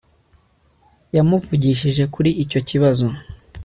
yamuvugishije kuri icyo kibazo